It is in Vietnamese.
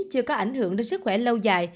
chưa có ảnh hưởng đến sức khỏe lâu dài